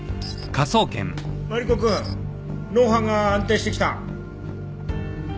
マリコくん脳波が安定してきた。